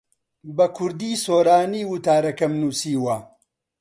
بە کوردیی سۆرانی وتارەکەم نووسیوە.